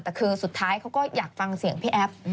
แต่คือสุดท้ายเขาก็อยากฟังเสียงพี่แอฟ